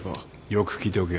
よく聞いておけ。